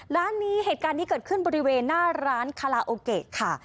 ร้านนี้เหตุการณ์นี้เกิดขึ้นบริเวณหน้าร้านคาราโอเกะค่ะ